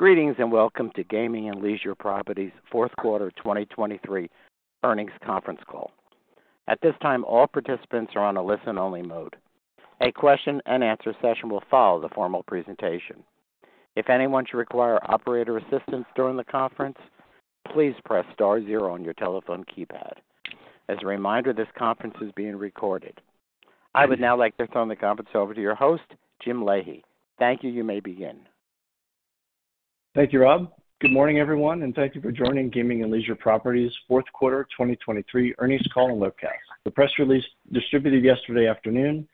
Greetings and welcome to Gaming and Leisure Properties fourth quarter 2023 earnings conference call. At this time, all participants are on a listen-only mode. A question-and-answer session will follow the formal presentation. If anyone should require operator assistance during the conference, please press star zero on your telephone keypad. As a reminder, this conference is being recorded. I would now like to throw the conference over to your host, James Leahy. Thank you. You may begin. Thank you, Rob. Good morning, everyone, and thank you for joining Gaming and Leisure Properties fourth quarter 2023 earnings call and webcast. The press release distributed yesterday afternoon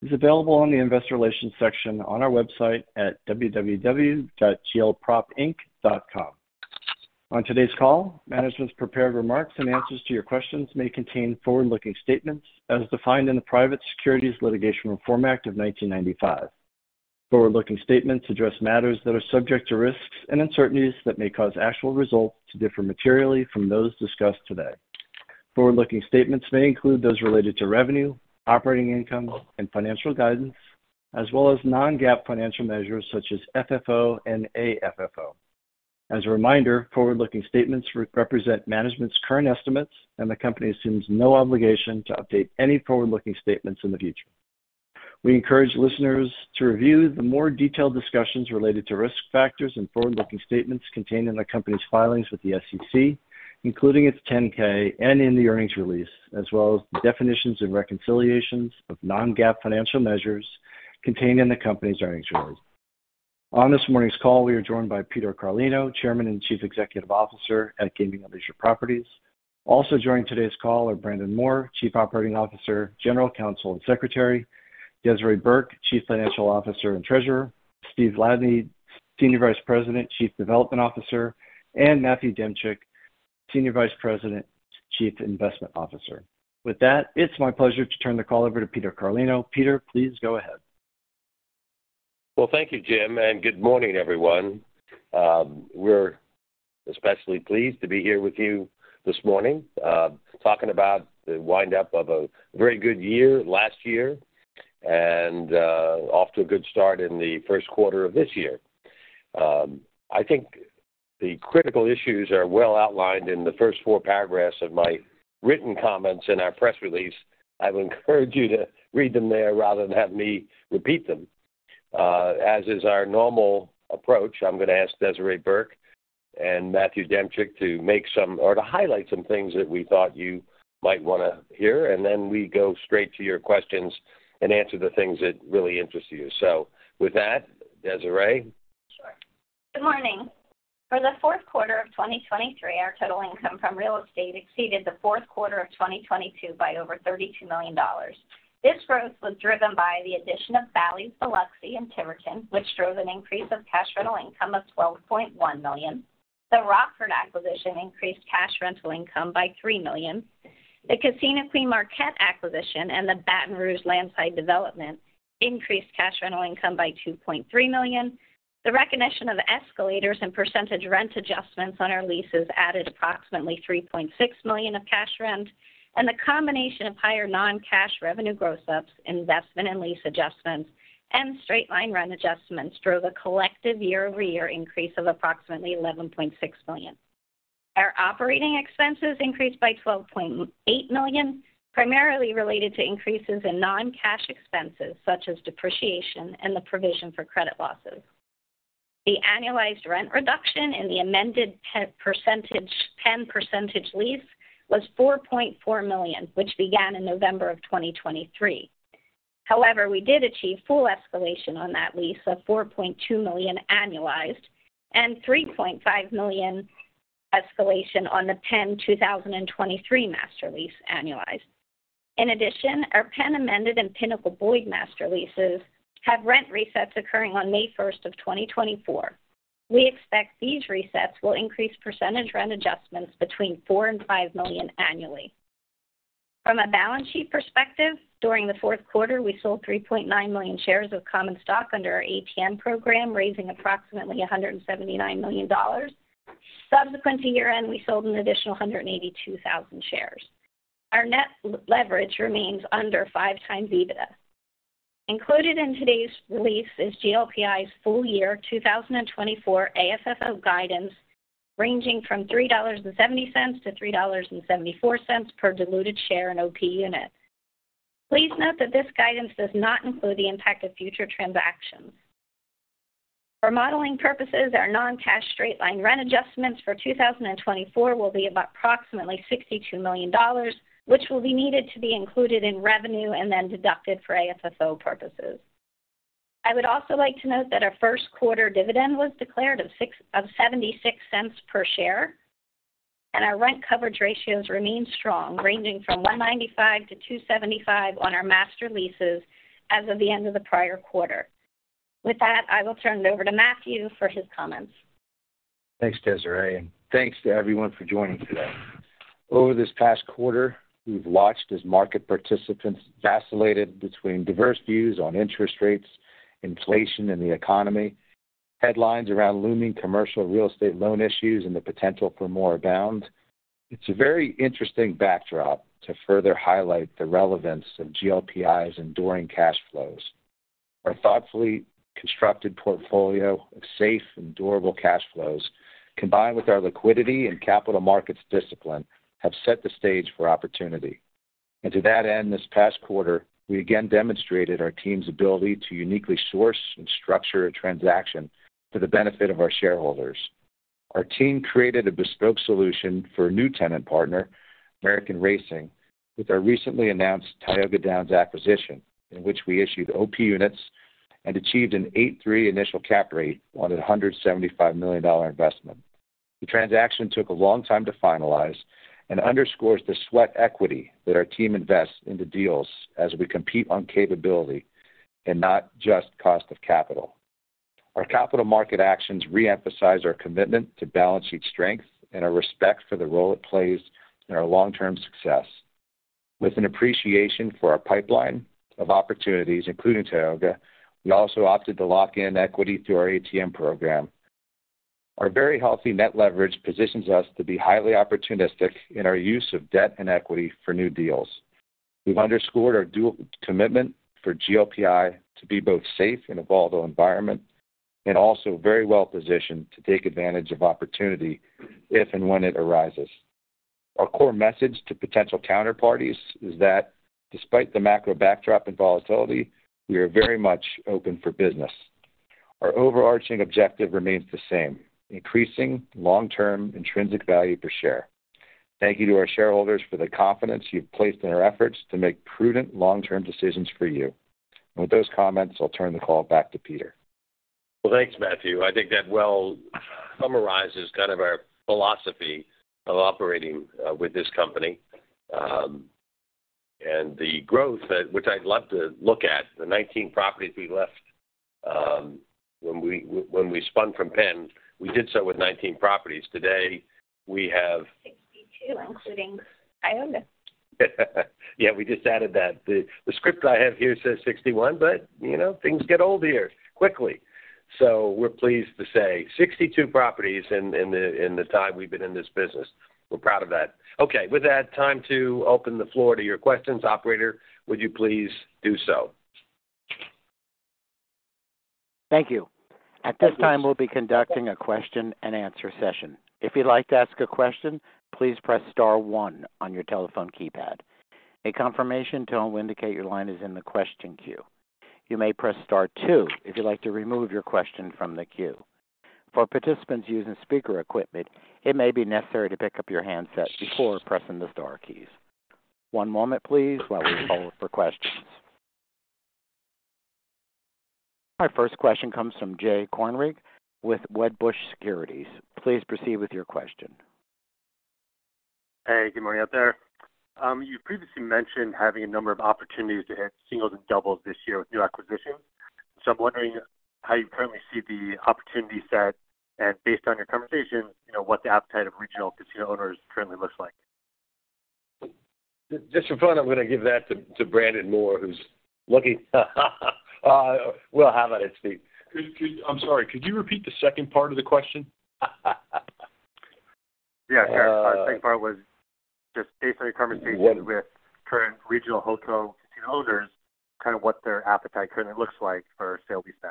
is available on the investor relations section on our website at www.glpropinc.com. On today's call, management's prepared remarks and answers to your questions may contain forward-looking statements as defined in the Private Securities Litigation Reform Act of 1995. Forward-looking statements address matters that are subject to risks and uncertainties that may cause actual results to differ materially from those discussed today. Forward-looking statements may include those related to revenue, operating income, and financial guidance, as well as non-GAAP financial measures such as FFO and AFFO. As a reminder, forward-looking statements represent management's current estimates, and the company assumes no obligation to update any forward-looking statements in the future. We encourage listeners to review the more detailed discussions related to risk factors and forward-looking statements contained in the company's filings with the SEC, including its 10-K and in the earnings release, as well as the definitions and reconciliations of non-GAAP financial measures contained in the company's earnings release. On this morning's call, we are joined by Peter Carlino, Chairman and Chief Executive Officer at Gaming and Leisure Properties. Also joining today's call are Brandon Moore, Chief Operating Officer, General Counsel and Secretary; Desiree Burke, Chief Financial Officer and Treasurer; Steve Ladany, Senior Vice President, Chief Development Officer; and Matthew Demchyk, Senior Vice President, Chief Investment Officer. With that, it's my pleasure to turn the call over to Peter Carlino. Peter, please go ahead. Well, thank you, Jim, and good morning, everyone. We're especially pleased to be here with you this morning, talking about the windup of a very good year last year and off to a good start in the first quarter of this year. I think the critical issues are well outlined in the first four paragraphs of my written comments in our press release. I would encourage you to read them there rather than have me repeat them. As is our normal approach, I'm gonna ask Desiree Burke and Matthew Demchyk to make some or to highlight some things that we thought you might wanna hear, and then we go straight to your questions and answer the things that really interest you. So with that, Desiree? Sure. Good morning. For the fourth quarter of 2023, our total income from real estate exceeded the fourth quarter of 2022 by over $32 million. This growth was driven by the addition of Bally's Biloxi and Tiverton, which drove an increase of cash rental income of $12.1 million. The Rockford acquisition increased cash rental income by $3 million. The Casino Queen Marquette acquisition and the Baton Rouge landside development increased cash rental income by $2.3 million. The recognition of escalators and percentage rent adjustments on our leases added approximately $3.6 million of cash rent, and the combination of higher non-cash revenue gross-ups, investment and lease adjustments, and straight-line rent adjustments drove a collective year-over-year increase of approximately $11.6 million. Our operating expenses increased by $12.8 million, primarily related to increases in non-cash expenses such as depreciation and the provision for credit losses. The annualized rent reduction in the amended Penn percentage lease was $4.4 million, which began in November of 2023. However, we did achieve full escalation on that lease of $4.2 million annualized and $3.5 million escalation on the Penn 2023 Master Lease annualized. In addition, our Penn amended and Pinnacle-Boyd Master Leases have rent resets occurring on May 1st of 2024. We expect these resets will increase percentage rent adjustments between $4-$5 million annually. From a balance sheet perspective, during the fourth quarter, we sold 3.9 million shares of common stock under our ATM program, raising approximately $179 million. Subsequent to year-end, we sold an additional 182,000 shares. Our net leverage remains under 5x EBITDA. Included in today's release is GLPI's full year 2024 AFFO guidance, ranging from $3.70-$3.74 per diluted share and OP unit. Please note that this guidance does not include the impact of future transactions. For modeling purposes, our non-cash straight-line rent adjustments for 2024 will be approximately $62 million, which will be needed to be included in revenue and then deducted for AFFO purposes. I would also like to note that our first quarter dividend was declared of $0.76 per share, and our rent coverage ratios remain strong, ranging from 1.95-2.75 on our master leases as of the end of the prior quarter. With that, I will turn it over to Matthew for his comments. Thanks, Desiree, and thanks to everyone for joining today. Over this past quarter, we've watched as market participants vacillated between diverse views on interest rates, inflation, and the economy, headlines around looming commercial real estate loan issues and the potential for more abound. It's a very interesting backdrop to further highlight the relevance of GLPI's enduring cash flows. Our thoughtfully constructed portfolio of safe, endurable cash flows, combined with our liquidity and capital markets discipline, have set the stage for opportunity. And to that end, this past quarter, we again demonstrated our team's ability to uniquely source and structure a transaction for the benefit of our shareholders. Our team created a bespoke solution for a new tenant partner, American Racing, with our recently announced Tioga Downs acquisition, in which we issued OP units and achieved an 8.3 initial cap rate on a $175 million investment. The transaction took a long time to finalize and underscores the sweat equity that our team invests into deals as we compete on capability and not just cost of capital. Our capital market actions reemphasize our commitment to balance sheet strength and our respect for the role it plays in our long-term success. With an appreciation for our pipeline of opportunities, including Tioga, we also opted to lock in equity through our ATM program. Our very healthy net leverage positions us to be highly opportunistic in our use of debt and equity for new deals. We've underscored our dual commitment for GLPI to be both safe and evolved in the environment and also very well positioned to take advantage of opportunity if and when it arises. Our core message to potential counterparties is that, despite the macro backdrop and volatility, we are very much open for business. Our overarching objective remains the same: increasing long-term intrinsic value per share. Thank you to our shareholders for the confidence you've placed in our efforts to make prudent long-term decisions for you. With those comments, I'll turn the call back to Peter. Well, thanks, Matthew. I think that well summarizes kind of our philosophy of operating with this company, and the growth that which I'd love to look at. The 19 properties we left, when we spun from Penn, we did so with 19 properties. Today, we have. 62, including Tioga. Yeah, we just added that. The script I have here says 61, but, you know, things get old here quickly. So we're pleased to say 62 properties in the time we've been in this business. We're proud of that. Okay, with that, time to open the floor to your questions. Operator, would you please do so? Thank you. At this time, we'll be conducting a question-and-answer session. If you'd like to ask a question, please press star 1 on your telephone keypad. A confirmation tone will indicate your line is in the question queue. You may press star 2 if you'd like to remove your question from the queue. For participants using speaker equipment, it may be necessary to pick up your handset before pressing the star keys. One moment, please, while we hold for questions. My first question comes from Jay Kornreich with Wedbush Securities. Please proceed with your question. Hey, good morning out there. You previously mentioned having a number of opportunities to hit singles and doubles this year with new acquisitions. So I'm wondering how you currently see the opportunity set, and based on your conversations, you know, what the appetite of regional casino owners currently looks like. Just for fun, I'm gonna give that to Brandon Moore, who's looking. We'll have it at Steve. I'm sorry. Could you repeat the second part of the question? Yeah, sure. The second part was just based on your conversation. What. With current regional hotel casino owners, kind of what their appetite currently looks like for sale-leasebacks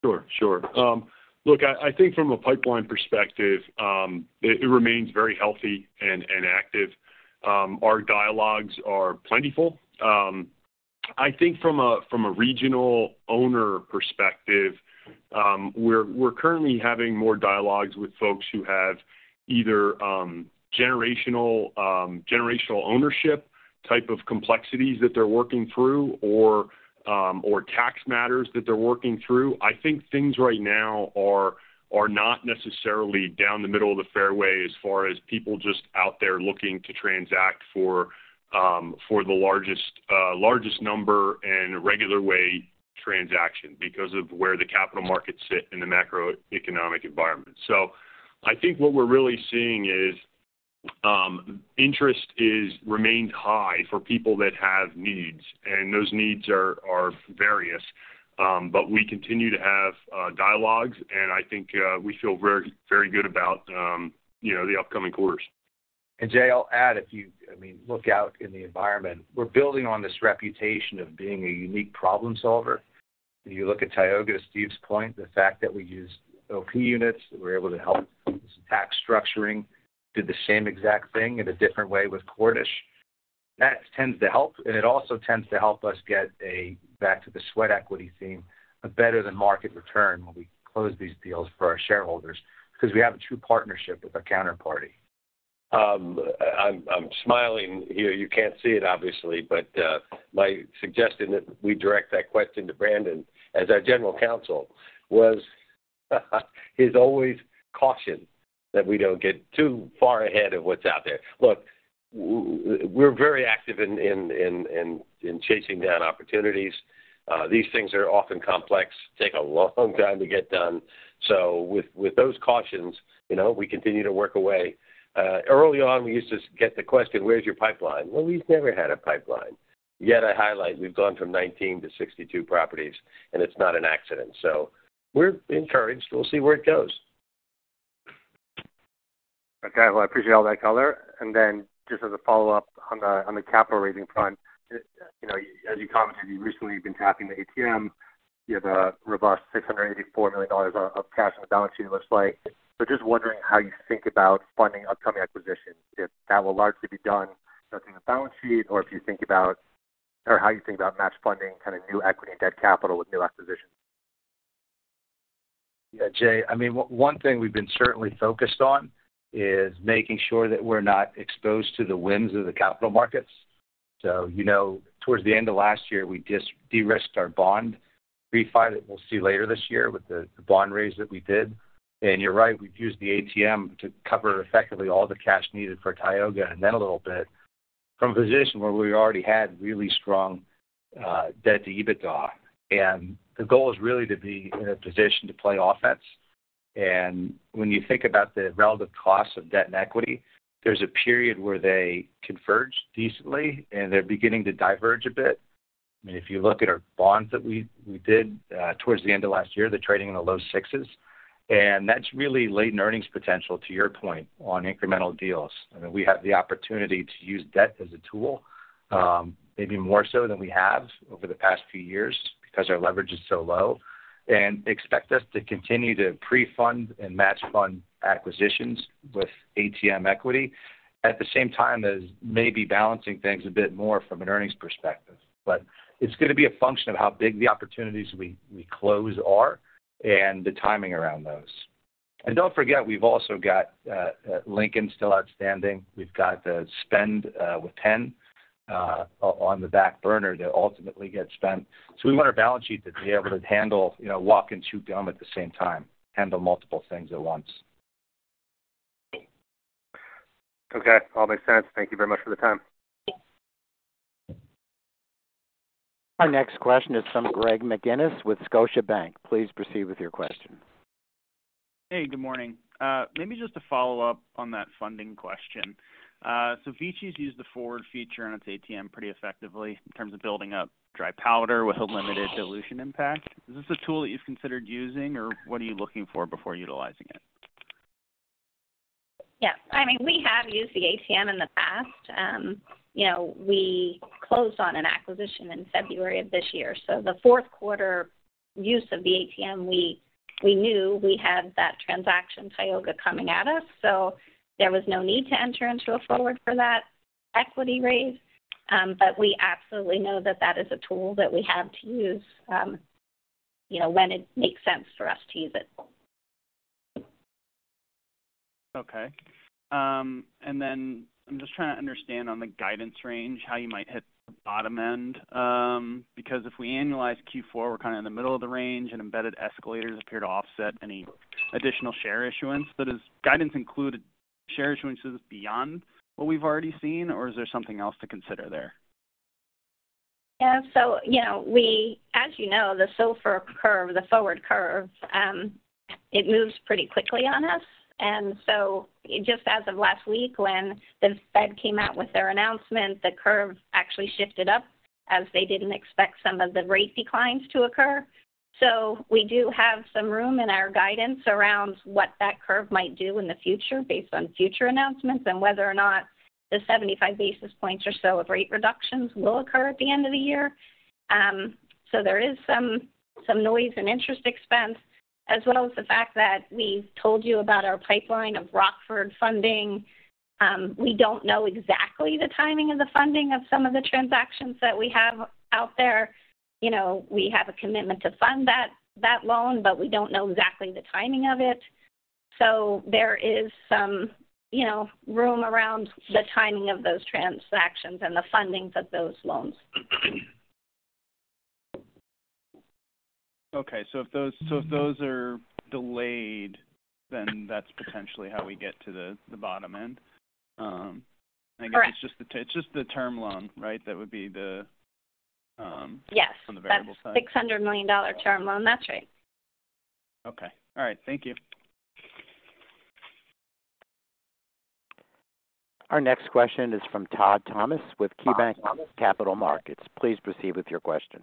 next. Sure, sure. Look, I think from a pipeline perspective, it remains very healthy and active. Our dialogues are plentiful. I think from a regional owner perspective, we're currently having more dialogues with folks who have either generational ownership type of complexities that they're working through or tax matters that they're working through. I think things right now are not necessarily down the middle of the fairway as far as people just out there looking to transact for the largest number and regular way transaction because of where the capital markets sit in the macroeconomic environment. So I think what we're really seeing is, interest is remained high for people that have needs, and those needs are various. But we continue to have dialogues, and I think we feel very good about, you know, the upcoming quarters. And Jay, I'll add, if you, I mean, look out in the environment. We're building on this reputation of being a unique problem solver. You look at Tioga, Steve's point, the fact that we used OP units, that we're able to help this tax structuring, did the same exact thing in a different way with Cordish. That tends to help, and it also tends to help us get back to the sweat equity theme a better than market return when we close these deals for our shareholders 'cause we have a true partnership with our counterparty. I'm smiling here. You can't see it, obviously, but my suggestion that we direct that question to Brandon as our general counsel was his always caution that we don't get too far ahead of what's out there. Look, we're very active in chasing down opportunities. These things are often complex, take a long time to get done. So with those cautions, you know, we continue to work away. Early on, we used to get the question, "Where's your pipeline?" Well, we've never had a pipeline. Yet I highlight, we've gone from 19 to 62 properties, and it's not an accident. So we're encouraged. We'll see where it goes. Okay, well, I appreciate all that color. Then just as a follow-up on the capital raising front, you know, as you commented, you've recently been tapping the ATM. You have a robust $684 million of cash on the balance sheet, it looks like. So just wondering how you think about funding upcoming acquisitions, if that will largely be done through the balance sheet or if you think about or how you think about match funding kind of new equity and debt capital with new acquisitions. Yeah, Jay, I mean, one thing we've been certainly focused on is making sure that we're not exposed to the whims of the capital markets. So, you know, towards the end of last year, we did de-risk our bond refi that we'll see later this year with the bond raise that we did. And you're right, we've used the ATM to cover effectively all the cash needed for Tioga and then a little bit from a position where we already had really strong debt-to-EBITDA. And the goal is really to be in a position to play offense. And when you think about the relative costs of debt and equity, there's a period where they converge decently, and they're beginning to diverge a bit. I mean, if you look at our bonds that we did towards the end of last year, they're trading in the low sixes. That's really late in earnings potential, to your point, on incremental deals. I mean, we have the opportunity to use debt as a tool, maybe more so than we have over the past few years because our leverage is so low, and expect us to continue to pre-fund and match fund acquisitions with ATM equity at the same time as maybe balancing things a bit more from an earnings perspective. But it's gonna be a function of how big the opportunities we close are and the timing around those. And don't forget, we've also got Lincoln still outstanding. We've got the spend with Penn on the back burner to ultimately get spent. So we want our balance sheet to be able to handle, you know, walk and chew gum at the same time, handle multiple things at once. Okay, all makes sense. Thank you very much for the time. Our next question is from Greg McGinniss with Scotiabank. Please proceed with your question. Hey, good morning. Maybe just a follow-up on that funding question. So VICI's used the forward feature on its ATM pretty effectively in terms of building up dry powder with a limited dilution impact. Is this a tool that you've considered using, or what are you looking for before utilizing it? Yeah, I mean, we have used the ATM in the past. You know, we closed on an acquisition in February of this year. So the fourth quarter use of the ATM, we knew we had that transaction Tioga coming at us, so there was no need to enter into a forward for that equity raise. But we absolutely know that that is a tool that we have to use, you know, when it makes sense for us to use it. Okay. Then I'm just trying to understand on the guidance range how you might hit the bottom end, because if we annualize Q4, we're kind of in the middle of the range, and embedded escalators appear to offset any additional share issuance. Does guidance include share issuances beyond what we've already seen, or is there something else to consider there? Yeah, so, you know, we as you know, the yield curve, the forward curve, it moves pretty quickly on us. And so just as of last week, when the Fed came out with their announcement, the curve actually shifted up as they didn't expect some of the rate declines to occur. So we do have some room in our guidance around what that curve might do in the future based on future announcements and whether or not the 75 basis points or so of rate reductions will occur at the end of the year. So there is some noise and interest expense as well as the fact that we've told you about our pipeline of Rockford funding. We don't know exactly the timing of the funding of some of the transactions that we have out there. You know, we have a commitment to fund that loan, but we don't know exactly the timing of it. So there is some, you know, room around the timing of those transactions and the fundings of those loans. Okay, so if those are delayed, then that's potentially how we get to the bottom end. I guess. Right. It's just the term loan, right, that would be the, Yes, that's $600 million term loan. That's right. Okay. All right, thank you. Our next question is from Todd Thomas with KeyBanc Capital Markets. Please proceed with your question.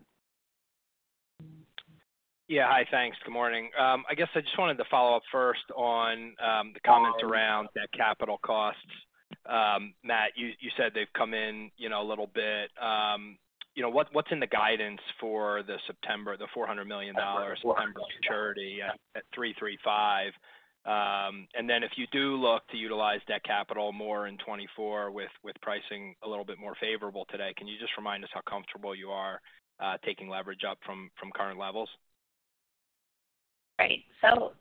Yeah, hi, thanks. Good morning. I guess I just wanted to follow up first on the comments around. All right. That capital costs. Matt, you said they've come in, you know, a little bit. You know, what's in the guidance for the September the $400 million? for sure. September maturity at 335? And then if you do look to utilize debt capital more in 2024 with pricing a little bit more favorable today, can you just remind us how comfortable you are, taking leverage up from current levels? Right. So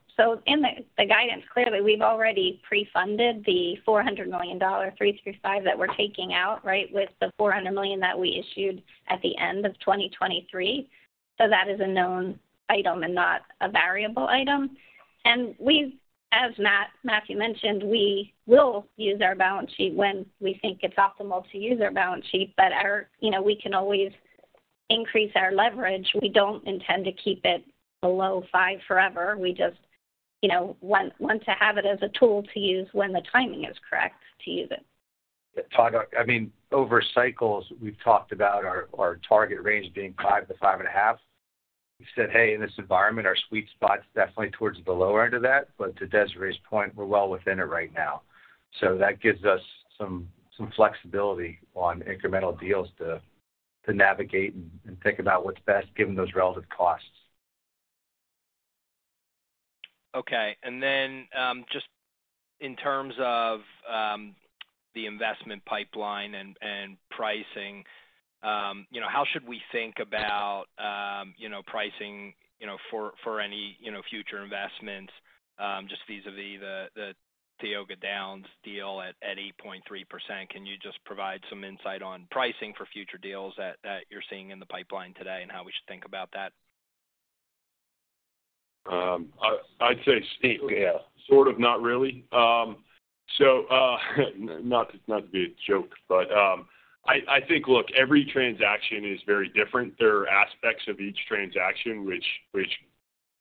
in the guidance, clearly, we've already pre-funded the $400 million 335 that we're taking out, right, with the $400 million that we issued at the end of 2023. So that is a known item and not a variable item. And, as Matt, Matthew mentioned, we will use our balance sheet when we think it's optimal to use our balance sheet, but, you know, we can always increase our leverage. We don't intend to keep it below 5 forever. We just, you know, want to have it as a tool to use when the timing is correct to use it. Todd, I mean, over cycles, we've talked about our, our target range being 5-5.5. We've said, "Hey, in this environment, our sweet spot's definitely towards the lower end of that, but to Desiree's point, we're well within it right now." So that gives us some, some flexibility on incremental deals to, to navigate and, and think about what's best given those relative costs. Okay, and then, just in terms of the investment pipeline and pricing, you know, how should we think about pricing, you know, for any future investments, just vis-à-vis the Tioga Downs deal at 8.3%? Can you just provide some insight on pricing for future deals that you're seeing in the pipeline today and how we should think about that? I'd say, Steve, yeah, sort of not really. So, not to be a joke, but, I think, look, every transaction is very different. There are aspects of each transaction which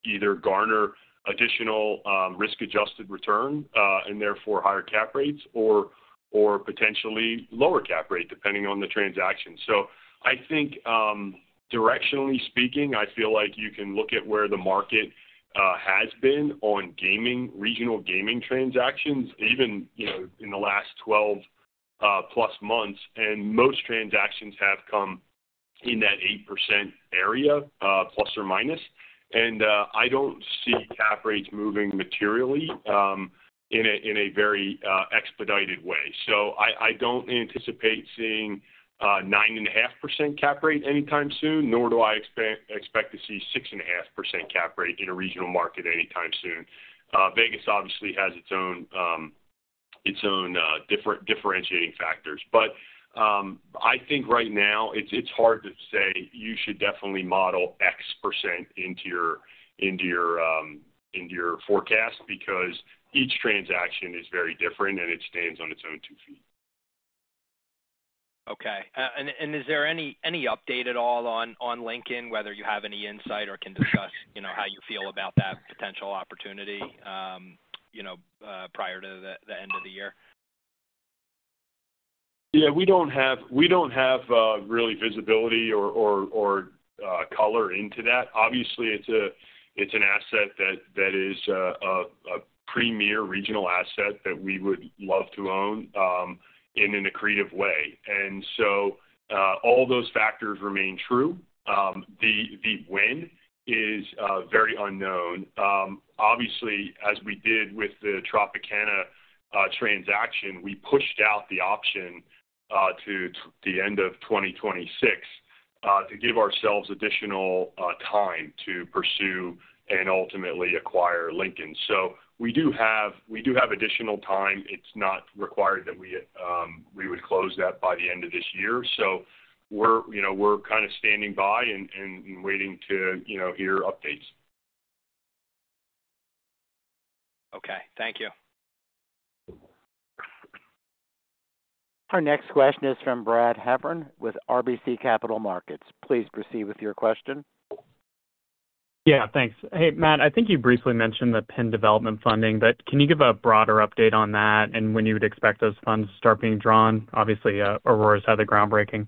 either garner additional risk-adjusted return, and therefore higher cap rates or potentially lower cap rate depending on the transaction. So I think, directionally speaking, I feel like you can look at where the market has been on gaming regional gaming transactions, even, you know, in the last 12+ months. And most transactions have come in that 8% area, plus or minus. And I don't see cap rates moving materially in a very expedited way. So I don't anticipate seeing 9.5% cap rate anytime soon, nor do I expect to see 6.5% cap rate in a regional market anytime soon. Vegas obviously has its own differentiating factors. But, I think right now, it's hard to say you should definitely model X% into your forecast because each transaction is very different, and it stands on its own two feet. Okay, and is there any update at all on Lincoln, whether you have any insight or can discuss, you know, how you feel about that potential opportunity, you know, prior to the end of the year? Yeah, we don't have really visibility or color into that. Obviously, it's an asset that is a premier regional asset that we would love to own in an accretive way. And so, all those factors remain true. The win is very unknown. Obviously, as we did with the Tropicana transaction, we pushed out the option to the end of 2026 to give ourselves additional time to pursue and ultimately acquire Lincoln. So we do have additional time. It's not required that we would close that by the end of this year. So we're, you know, kind of standing by and waiting to, you know, hear updates. Okay, thank you. Our next question is from Brad Heffern with RBC Capital Markets. Please proceed with your question. Yeah, thanks. Hey, Matt, I think you briefly mentioned the PENN development funding, but can you give a broader update on that and when you would expect those funds to start being drawn? Obviously, Aurora's had the groundbreaking.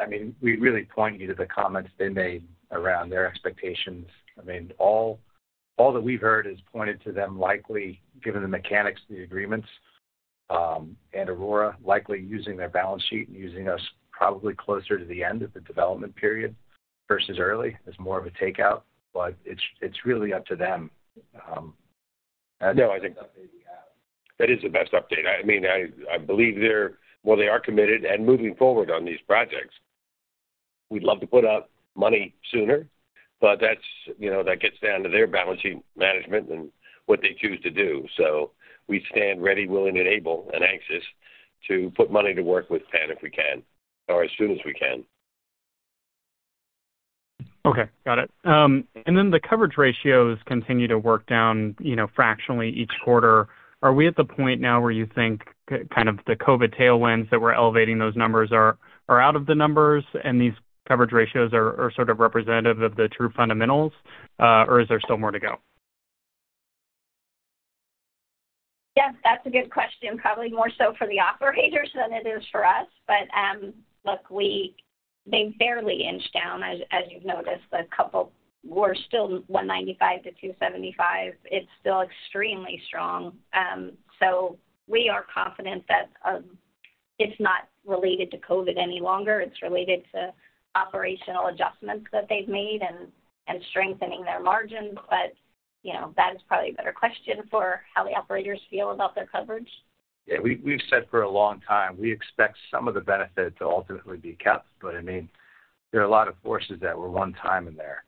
I mean, we really point you to the comments they made around their expectations. I mean, all that we've heard is pointed to them likely, given the mechanics of the agreements, and Aurora likely using their balance sheet and using us probably closer to the end of the development period versus early as more of a takeout. But it's really up to them, as. No, I think that is the best update. I mean, I believe they're well, they are committed and moving forward on these projects. We'd love to put up money sooner, but that's, you know, that gets down to their balance sheet management and what they choose to do. So we stand ready, willing, and able, and anxious to put money to work with Penn if we can or as soon as we can. Okay, got it. And then the coverage ratios continue to work down, you know, fractionally each quarter. Are we at the point now where you think kind of the COVID tailwinds that were elevating those numbers are out of the numbers, and these coverage ratios are sort of representative of the true fundamentals, or is there still more to go? Yeah, that's a good question, probably more so for the operators than it is for us. But look, they've barely inched down, as you've noticed. The coverage we're still 1.95-2.75. It's still extremely strong. So we are confident that it's not related to COVID any longer. It's related to operational adjustments that they've made and strengthening their margins. But you know, that is probably a better question for how the operators feel about their coverage. Yeah, we've said for a long time, we expect some of the benefit to ultimately be kept. But I mean, there are a lot of forces that were one time in there.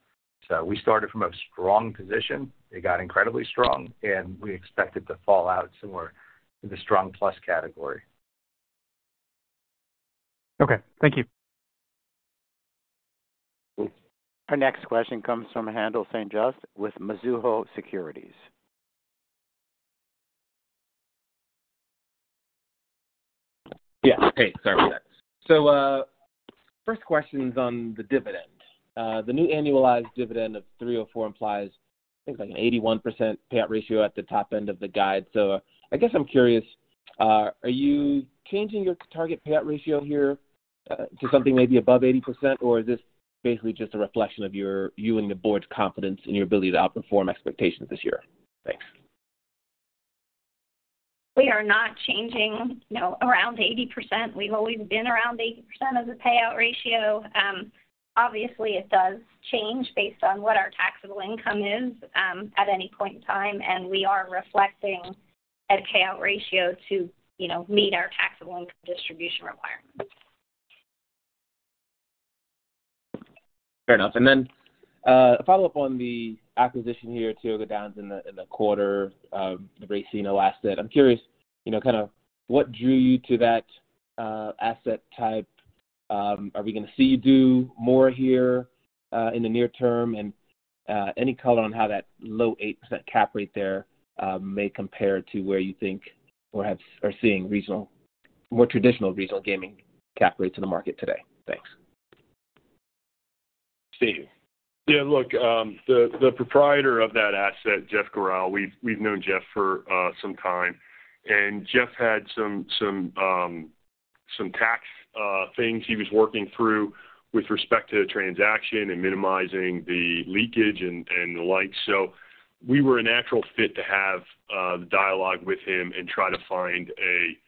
So we started from a strong position. It got incredibly strong, and we expect it to fall out, so we're in the strong plus category. Okay, thank you. Our next question comes from Haendel St. Juste with Mizuho Securities. Yes, hey, sorry about that. So, first question's on the dividend. The new annualized dividend of $3.04 implies, I think, like an 81% payout ratio at the top end of the guide. So I guess I'm curious, are you changing your target payout ratio here, to something maybe above 80%, or is this basically just a reflection of your and the board's confidence in your ability to outperform expectations this year? Thanks. We are not changing, you know, around 80%. We've always been around 80% as a payout ratio. Obviously, it does change based on what our taxable income is, at any point in time, and we are reflecting that payout ratio to, you know, meet our taxable income distribution requirements. Fair enough. And then, a follow-up on the acquisition here, Tioga Downs, in the quarter, the racino asset. I'm curious, you know, kind of what drew you to that asset type? Are we gonna see you do more here in the near term? And any color on how that low 8% cap rate there may compare to where you think or have or seeing regional more traditional regional gaming cap rates in the market today? Thanks. Steve, yeah, look, the proprietor of that asset, Jeff Gural, we've known Jeff for some time. And Jeff had some tax things he was working through with respect to the transaction and minimizing the leakage and the like. So we were a natural fit to have the dialogue with him and try to find a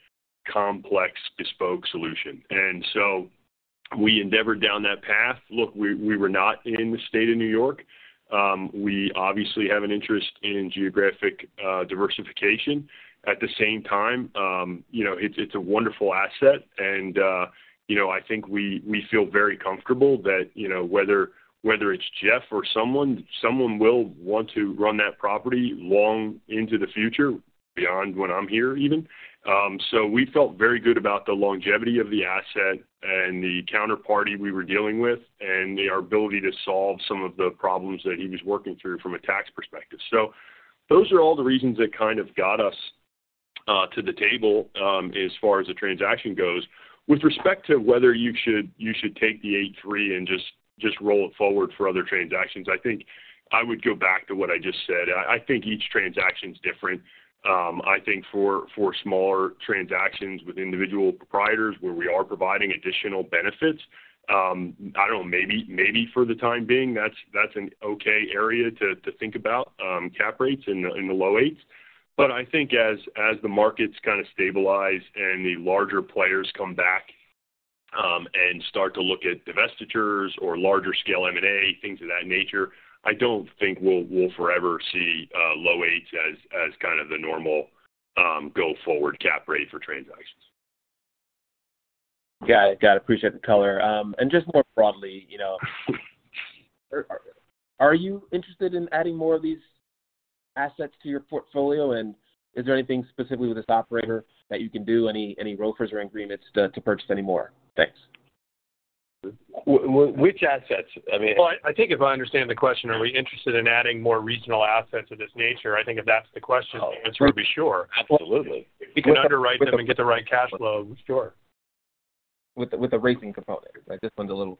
complex bespoke solution. And so we endeavored down that path. Look, we were not in the state of New York. We obviously have an interest in geographic diversification. At the same time, you know, it's a wonderful asset. And, you know, I think we feel very comfortable that, you know, whether it's Jeff or someone will want to run that property long into the future beyond when I'm here even. So we felt very good about the longevity of the asset and the counterparty we were dealing with and our ability to solve some of the problems that he was working through from a tax perspective. So those are all the reasons that kind of got us to the table, as far as the transaction goes. With respect to whether you should take the 8.3 and just roll it forward for other transactions, I think I would go back to what I just said. I think each transaction's different. I think for smaller transactions with individual proprietors where we are providing additional benefits, I don't know, maybe for the time being, that's an okay area to think about cap rates in the low 8s. But I think as the markets kind of stabilize and the larger players come back and start to look at divestitures or larger-scale M&A, things of that nature, I don't think we'll forever see low 8s as kind of the normal go-forward cap rate for transactions. Got it, got it. Appreciate the color. Just more broadly, you know, are you interested in adding more of these assets to your portfolio? And is there anything specifically with this operator that you can do, any ROFOs or agreements to purchase any more? Thanks. Which assets? I mean. Well, I think if I understand the question, are we interested in adding more regional assets of this nature? I think if that's the question, the answer would be sure. Absolutely. We can underwrite them and get the right cash flow, sure. With the racing component, right? This one's a little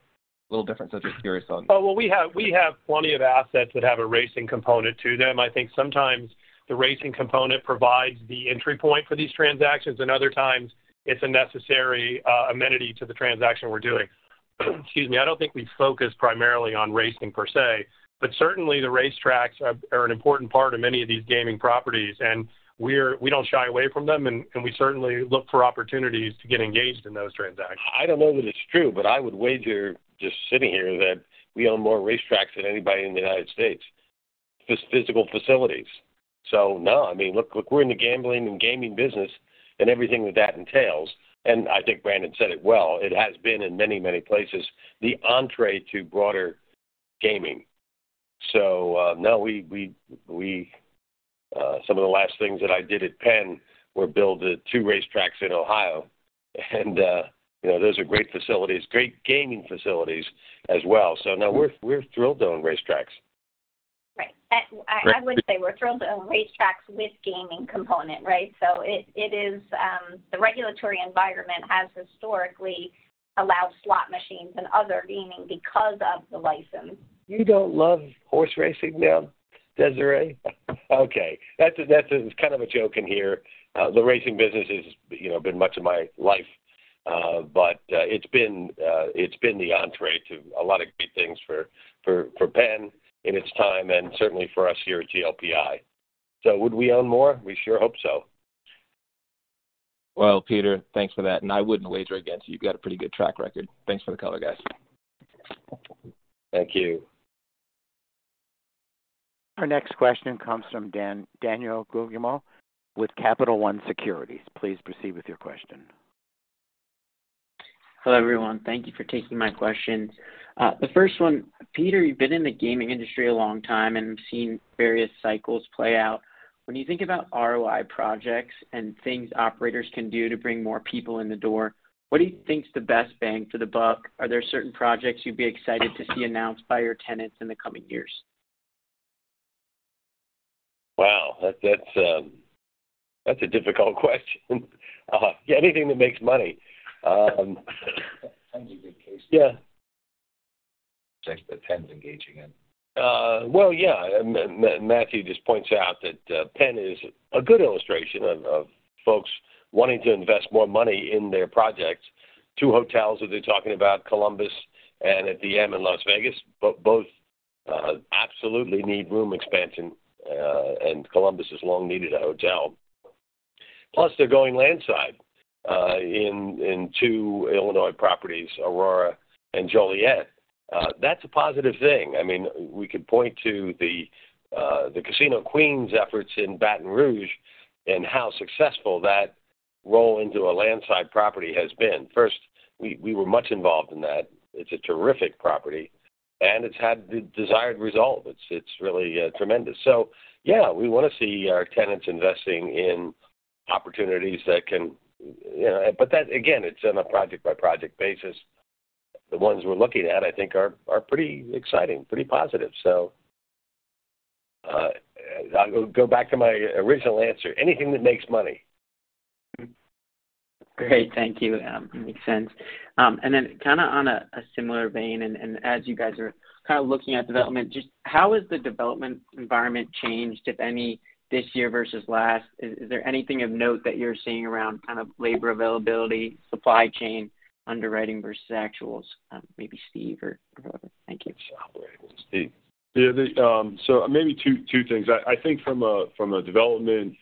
different. So just curious on. Oh, well, we have plenty of assets that have a racing component to them. I think sometimes the racing component provides the entry point for these transactions, and other times, it's a necessary amenity to the transaction we're doing. Excuse me, I don't think we focus primarily on racing per se, but certainly, the racetracks are an important part of many of these gaming properties. And we don't shy away from them, and we certainly look for opportunities to get engaged in those transactions. I don't know that it's true, but I would wager just sitting here that we own more racetracks than anybody in the United States, physical facilities. So no, I mean, look, look, we're in the gambling and gaming business and everything that that entails. And I think Brandon said it well. It has been in many, many places the entree to broader gaming. So, no, some of the last things that I did at Penn were build the 2 racetracks in Ohio. And, you know, those are great facilities, great gaming facilities as well. So no, we're thrilled to own racetracks. Right. I would say we're thrilled to own racetracks with gaming component, right? So it is, the regulatory environment has historically allowed slot machines and other gaming because of the license. You don't love horse racing now, Desiree? Okay, it's kind of a joke in here. The racing business has, you know, been much of my life, but it's been the entree to a lot of great things for Penn in its time and certainly for us here at GLPI. So would we own more? We sure hope so. Well, Peter, thanks for that. I wouldn't wager against you. You've got a pretty good track record. Thanks for the color, guys. Thank you. Our next question comes from Daniel Guglielmo with Capital One Securities. Please proceed with your question. Hello, everyone. Thank you for taking my question. The first one, Peter, you've been in the gaming industry a long time, and I've seen various cycles play out. When you think about ROI projects and things operators can do to bring more people in the door, what do you think's the best bang for the buck? Are there certain projects you'd be excited to see announced by your tenants in the coming years? Wow, that's a difficult question. Yeah, anything that makes money. I think you've hit case. Yeah. That Penn's engaging in. Well, yeah. Matthew just points out that Penn is a good illustration of folks wanting to invest more money in their projects. Two hotels that they're talking about, Columbus and at the end in Las Vegas, but both absolutely need room expansion, and Columbus has long needed a hotel. Plus, they're going landside in two Illinois properties, Aurora and Joliet. That's a positive thing. I mean, we could point to the Casino Queen's efforts in Baton Rouge and how successful that roll into a landside property has been. First, we were much involved in that. It's a terrific property, and it's had the desired result. It's really tremendous. So yeah, we wanna see our tenants investing in opportunities that can, you know, but that again, it's on a project-by-project basis. The ones we're looking at, I think, are pretty exciting, pretty positive, so. I'll go back to my original answer, anything that makes money. Great, thank you. Makes sense. And then kinda on a similar vein, and as you guys are kinda looking at development, just how has the development environment changed, if any, this year versus last? Is there anything of note that you're seeing around kind of labor availability, supply chain, underwriting versus actuals? Maybe Steve or whoever. Thank you. Operating and Steve. Yeah, so maybe two things. I think from a development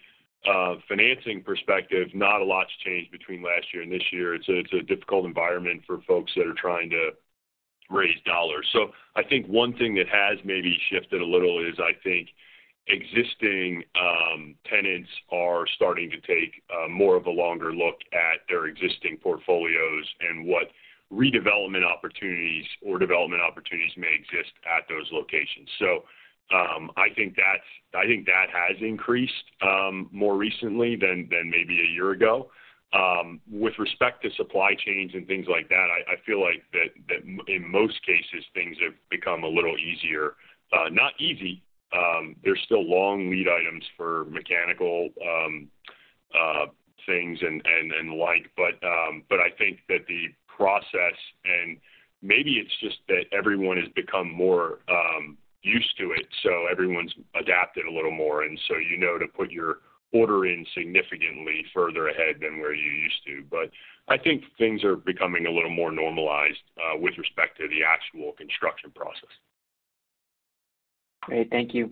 financing perspective, not a lot's changed between last year and this year. It's a difficult environment for folks that are trying to raise dollars. So I think one thing that has maybe shifted a little is, I think, existing tenants are starting to take more of a longer look at their existing portfolios and what redevelopment opportunities or development opportunities may exist at those locations. So, I think that has increased more recently than maybe a year ago. With respect to supply chains and things like that, I feel like that in most cases, things have become a little easier. Not easy. There's still long lead items for mechanical things and the like. But I think that the process and maybe it's just that everyone has become more used to it, so everyone's adapted a little more. And so you know to put your order in significantly further ahead than where you used to. But I think things are becoming a little more normalized, with respect to the actual construction process. Great, thank you.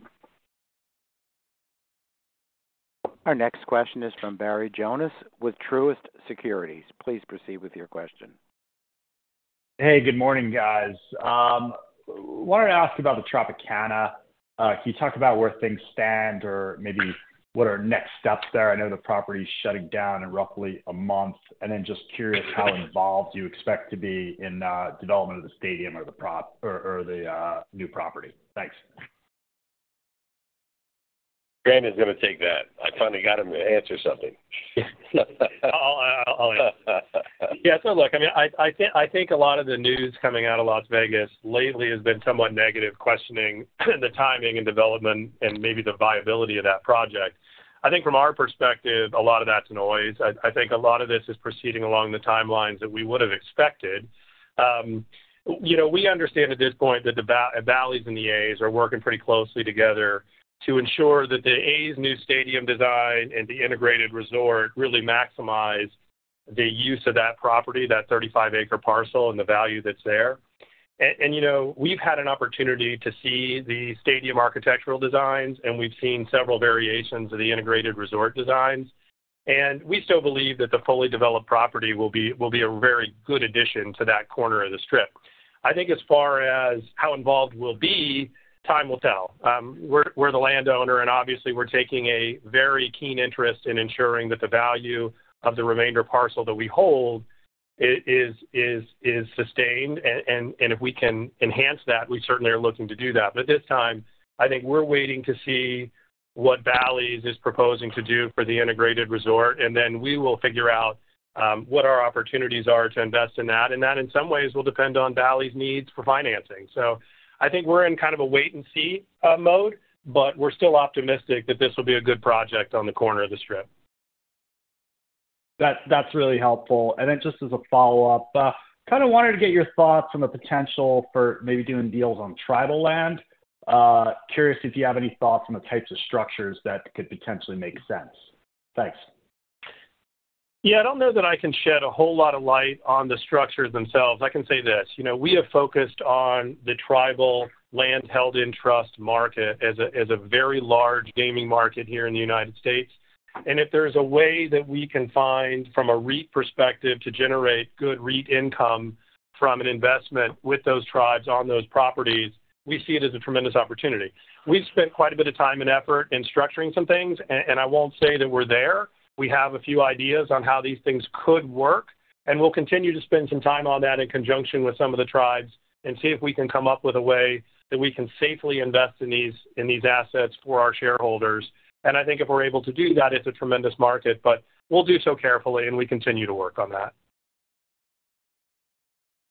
Our next question is from Barry Jonas with Truist Securities. Please proceed with your question. Hey, good morning, guys. Wanted to ask about the Tropicana. Can you talk about where things stand or maybe what are next steps there? I know the property's shutting down in roughly a month. And then just curious how involved you expect to be in development of the stadium or the pro or, or the new property. Thanks. Brandon's gonna take that. I finally got him to answer something. Yeah. I'll answer. Yeah, so look, I mean, I think a lot of the news coming out of Las Vegas lately has been somewhat negative, questioning the timing and development and maybe the viability of that project. I think from our perspective, a lot of that's noise. I think a lot of this is proceeding along the timelines that we would have expected. You know, we understand at this point that the Bally's and the A's are working pretty closely together to ensure that the A's new stadium design and the integrated resort really maximize the use of that property, that 35-acre parcel, and the value that's there. And, you know, we've had an opportunity to see the stadium architectural designs, and we've seen several variations of the integrated resort designs. And we still believe that the fully developed property will be a very good addition to that corner of the strip. I think as far as how involved we'll be, time will tell. We're the landowner, and obviously, we're taking a very keen interest in ensuring that the value of the remainder parcel that we hold is sustained. And if we can enhance that, we certainly are looking to do that. But at this time, I think we're waiting to see what Bally's is proposing to do for the integrated resort. And then we will figure out what our opportunities are to invest in that. And that, in some ways, will depend on Bally's needs for financing. So I think we're in kind of a wait-and-see mode, but we're still optimistic that this will be a good project on the corner of the strip. That, that's really helpful. And then just as a follow-up, kinda wanted to get your thoughts on the potential for maybe doing deals on tribal land. Curious if you have any thoughts on the types of structures that could potentially make sense. Thanks. Yeah, I don't know that I can shed a whole lot of light on the structures themselves. I can say this, you know, we have focused on the tribal land-held-in-trust market as a very large gaming market here in the United States. And if there's a way that we can find, from a REIT perspective, to generate good REIT income from an investment with those tribes on those properties, we see it as a tremendous opportunity. We've spent quite a bit of time and effort in structuring some things. And I won't say that we're there. We have a few ideas on how these things could work. And we'll continue to spend some time on that in conjunction with some of the tribes and see if we can come up with a way that we can safely invest in these in these assets for our shareholders. And I think if we're able to do that, it's a tremendous market. But we'll do so carefully, and we continue to work on that.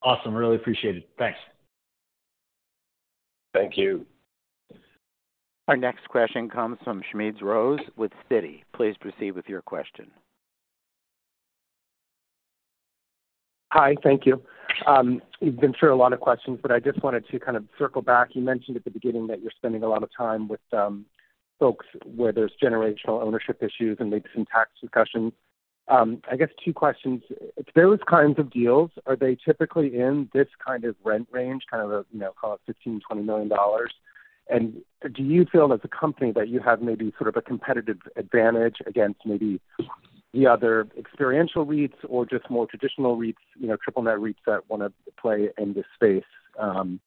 Awesome. Really appreciate it. Thanks. Thank you. Our next question comes from Smedes Rose with Citi. Please proceed with your question. Hi, thank you. You've been through a lot of questions, but I just wanted to kind of circle back. You mentioned at the beginning that you're spending a lot of time with folks where there's generational ownership issues and maybe some tax discussions. I guess two questions. If those kinds of deals are they typically in this kind of rent range, kind of a, you know, call it $15-$20 million? And do you feel as a company that you have maybe sort of a competitive advantage against maybe the other experiential REITs or just more traditional REITs, you know, triple-net REITs that wanna play in this space? I'm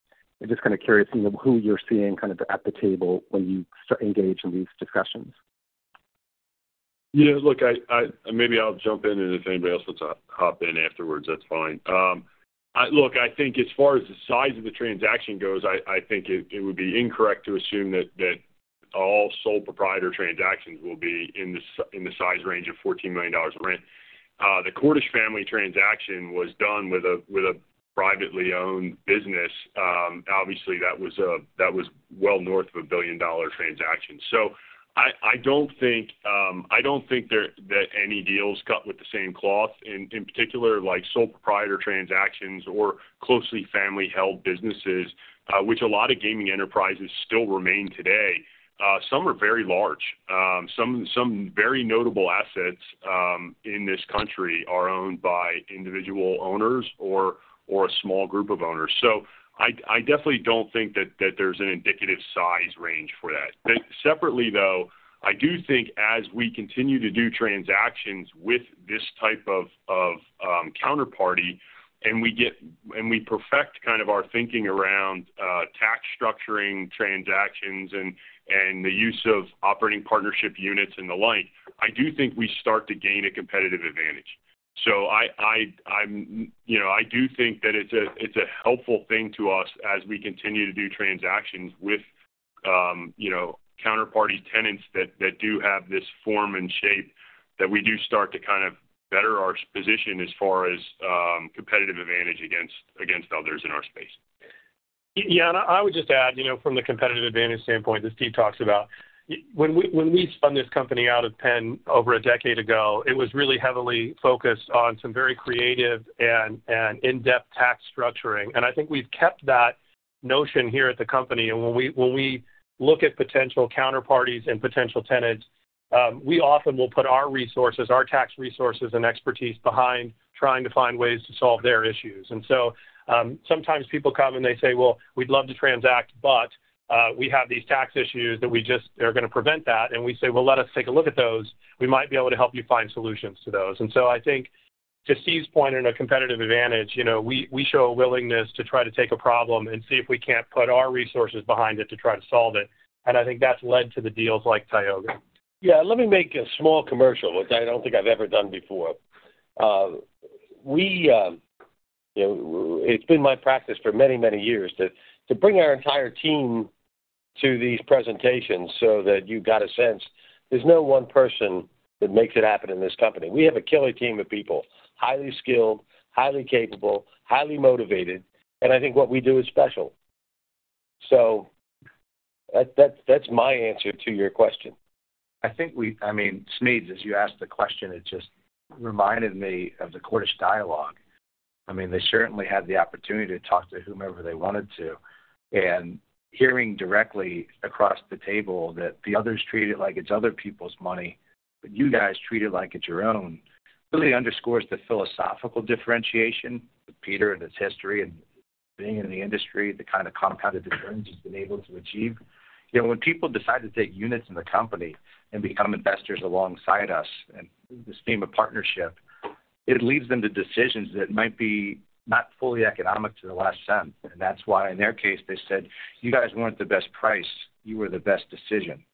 just kinda curious, you know, who you're seeing kind of at the table when you start engaging these discussions. Yeah, look, I and maybe I'll jump in, and if anybody else wants to hop in afterwards, that's fine. I look, I think as far as the size of the transaction goes, I think it would be incorrect to assume that all sole proprietor transactions will be in the size range of $14 million rent. The Cordish family transaction was done with a privately owned business. Obviously, that was well north of a billion-dollar transaction. So I don't think that any deals cut with the same cloth in particular, like sole proprietor transactions or closely family-held businesses, which a lot of gaming enterprises still remain today. Some are very large. Some very notable assets in this country are owned by individual owners or a small group of owners. So I definitely don't think that there's an indicative size range for that. But separately, though, I do think as we continue to do transactions with this type of counterparty and we get and we perfect kind of our thinking around tax structuring transactions and the use of operating partnership units and the like, I do think we start to gain a competitive advantage. So I'm, you know, I do think that it's a helpful thing to us as we continue to do transactions with, you know, counterparty tenants that do have this form and shape that we do start to kind of better our position as far as competitive advantage against others in our space. Yeah, and I would just add, you know, from the competitive advantage standpoint that Steve talks about, when we spun this company out of Penn over a decade ago, it was really heavily focused on some very creative and in-depth tax structuring. And I think we've kept that notion here at the company. And when we look at potential counterparties and potential tenants, we often will put our resources, our tax resources and expertise behind trying to find ways to solve their issues. And so, sometimes people come, and they say, "Well, we'd love to transact, but we have these tax issues that we just are gonna prevent that." And we say, "Well, let us take a look at those. We might be able to help you find solutions to those. So I think, to Steve's point on a competitive advantage, you know, we show a willingness to try to take a problem and see if we can't put our resources behind it to try to solve it. I think that's led to the deals like Tioga. Yeah, let me make a small commercial, which I don't think I've ever done before. We, you know, it's been my practice for many, many years to, to bring our entire team to these presentations so that you've got a sense. There's no one person that makes it happen in this company. We have a killer team of people, highly skilled, highly capable, highly motivated. And I think what we do is special. So that, that, that's my answer to your question. I think, I mean, Smedes, as you asked the question, it just reminded me of the Cordish dialogue. I mean, they certainly had the opportunity to talk to whomever they wanted to. Hearing directly across the table that the others treat it like it's other people's money, but you guys treat it like it's your own, really underscores the philosophical differentiation with Peter and his history and being in the industry, the kind of compounded difference he's been able to achieve. You know, when people decide to take units in the company and become investors alongside us and this theme of partnership, it leads them to decisions that might be not fully economic to the last cent. And that's why, in their case, they said, "You guys weren't the best price. You were the best decision."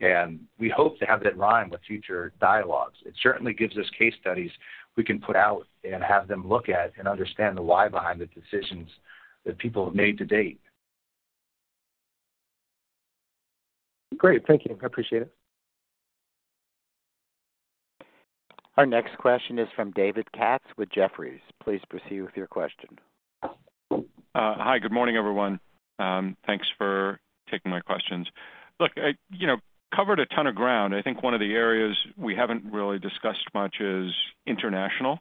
And we hope to have that rhyme with future dialogues. It certainly gives us case studies we can put out and have them look at and understand the why behind the decisions that people have made to date. Great, thank you. I appreciate it. Our next question is from David Katz with Jefferies. Please proceed with your question. Hi, good morning, everyone. Thanks for taking my questions. Look, I, you know, covered a ton of ground. I think one of the areas we haven't really discussed much is international,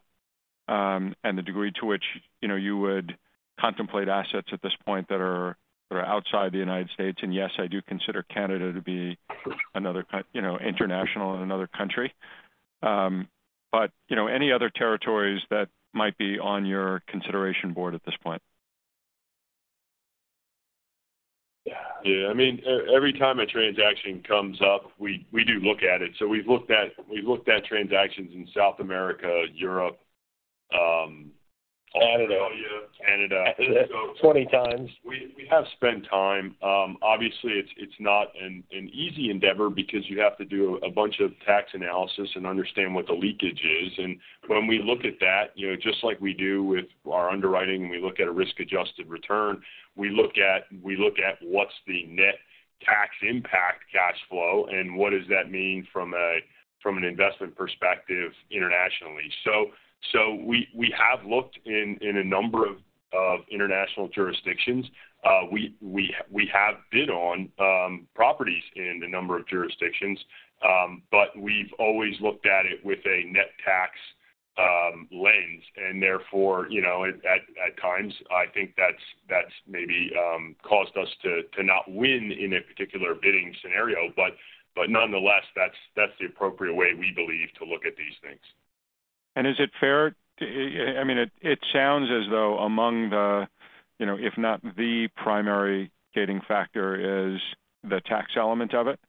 and the degree to which, you know, you would contemplate assets at this point that are that are outside the United States. And yes, I do consider Canada to be another country, you know, international in another country. You know, any other territories that might be on your consideration board at this point? Yeah. Yeah, I mean, every time a transaction comes up, we do look at it. So we've looked at transactions in South America, Europe, Canada. Canada. Canada. Canada. 20 times. We have spent time. Obviously, it's not an easy endeavor because you have to do a bunch of tax analysis and understand what the leakage is. And when we look at that, you know, just like we do with our underwriting and we look at a risk-adjusted return, we look at what's the net tax impact cash flow and what does that mean from an investment perspective internationally. So we have looked in a number of international jurisdictions. We have bid on properties in a number of jurisdictions. But we've always looked at it with a net tax lens. And therefore, you know, at times, I think that's maybe caused us to not win in a particular bidding scenario. But nonetheless, that's the appropriate way, we believe, to look at these things. Is it fair to, I mean, it sounds as though among the, you know, if not the primary gating factor is the tax element of it.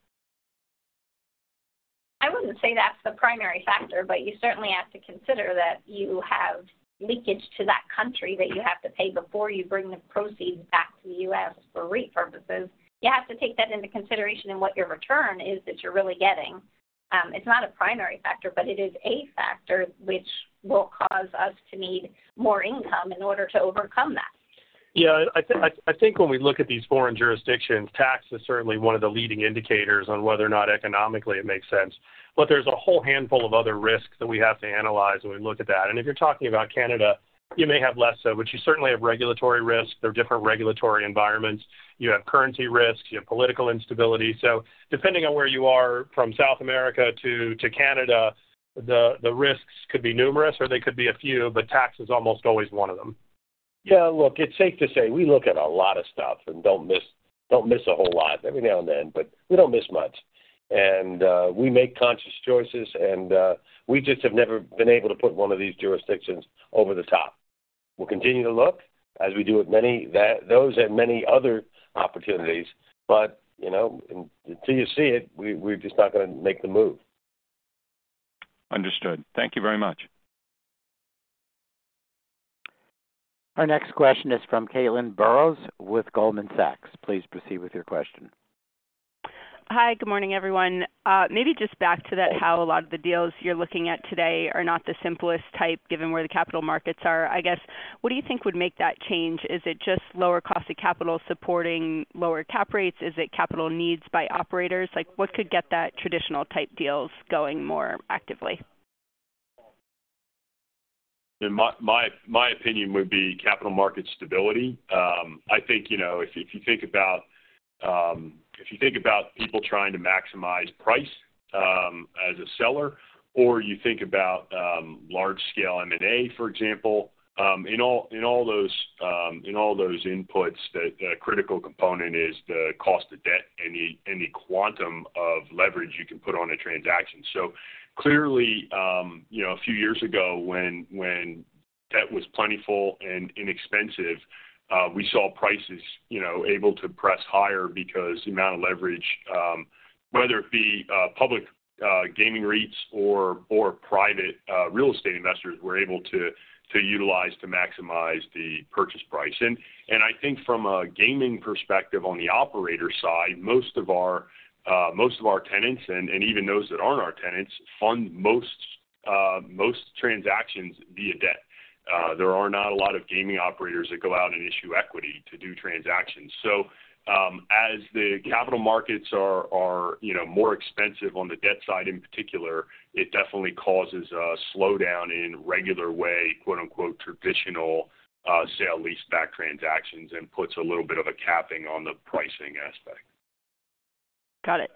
I wouldn't say that's the primary factor, but you certainly have to consider that you have leakage to that country that you have to pay before you bring the proceeds back to the U.S. for REIT purposes. You have to take that into consideration in what your return is that you're really getting. It's not a primary factor, but it is a factor which will cause us to need more income in order to overcome that. Yeah, I think when we look at these foreign jurisdictions, tax is certainly one of the leading indicators on whether or not economically, it makes sense. But there's a whole handful of other risks that we have to analyze when we look at that. And if you're talking about Canada, you may have less so, but you certainly have regulatory risks. There are different regulatory environments. You have currency risks. You have political instability. So depending on where you are, from South America to Canada, the risks could be numerous, or they could be a few, but tax is almost always one of them. Yeah, look, it's safe to say we look at a lot of stuff and don't miss a whole lot every now and then, but we don't miss much. We make conscious choices. We just have never been able to put one of these jurisdictions over the top. We'll continue to look as we do with many that those and many other opportunities. You know, until you see it, we, we're just not gonna make the move. Understood. Thank you very much. Our next question is from Caitlin Burrows with Goldman Sachs. Please proceed with your question. Hi, good morning, everyone. Maybe just back to that how a lot of the deals you're looking at today are not the simplest type given where the capital markets are. I guess, what do you think would make that change? Is it just lower cost of capital supporting lower cap rates? Is it capital needs by operators? Like, what could get that traditional type deals going more actively? Yeah, my opinion would be capital market stability. I think, you know, if you think about people trying to maximize price, as a seller, or you think about large-scale M&A, for example, in all those inputs, that critical component is the cost of debt and the quantum of leverage you can put on a transaction. So clearly, you know, a few years ago, when debt was plentiful and inexpensive, we saw prices, you know, able to press higher because the amount of leverage, whether it be public gaming REITs or private real estate investors were able to utilize to maximize the purchase price. I think from a gaming perspective on the operator side, most of our tenants and even those that aren't our tenants fund most transactions via debt. There are not a lot of gaming operators that go out and issue equity to do transactions. So, as the capital markets are, you know, more expensive on the debt side in particular, it definitely causes a slowdown in regular way, quote-unquote, "traditional," sale-leaseback transactions and puts a little bit of a capping on the pricing aspect. Got it.